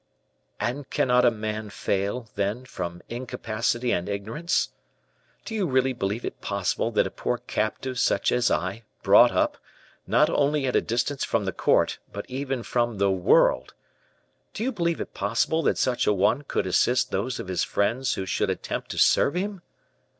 "And cannot a man fail, then, from incapacity and ignorance? Do you really believe it possible that a poor captive such as I, brought up, not only at a distance from the court, but even from the world do you believe it possible that such a one could assist those of his friends who should attempt to serve him?"